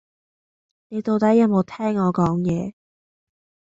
你到底有無聽我講野？